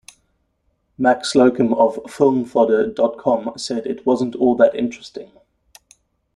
Mac Slocum of Filmfodder dot com said "it wasn't all that interesting".